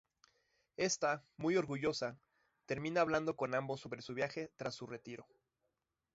Esta, muy orgullosa, termina hablando con ambos sobre un viaje tras su retiro.